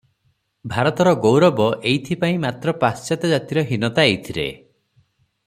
ଭାରତର ଗୌରବ ଏଇଥି ପାଇଁ ମାତ୍ର ପାଶ୍ଚାତ୍ତ୍ୟ ଜାତିର ହୀନତା ଏଇଥିରେ ।